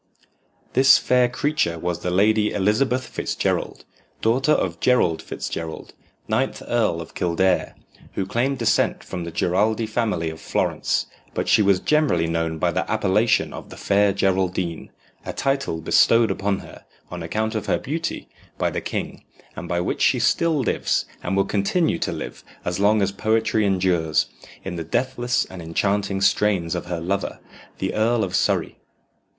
This fair creature was the Lady Elizabeth Fitzgerald, daughter of Gerald Fitzgerald, ninth Earl of Kildare, who claimed descent from the Geraldi family of Florence; but she was generally known by the appellation of the Fair Geraldine a title bestowed upon her, on account of her beauty, by the king, and by which she still lives, and will continue to live, as long as poetry endures, in the deathless and enchanting strains of her lover, the Earl of Surrey.